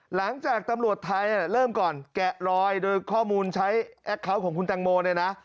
หลังจากตำรวจไทยเริ่มก่อนแกะรอยโดยข้อมูลใช้แอคเคาน์ของคุณแตงโมเนี่ยนะ